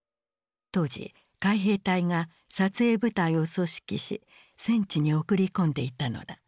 当時海兵隊が撮影部隊を組織し戦地に送り込んでいたのだ。